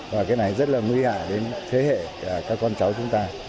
và cái này rất là nguy hạ đến thế hệ các con cháu